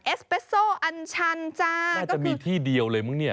เอสเปสโซอันชันจ้าน่าจะมีที่เดียวเลยมึงเนี่ย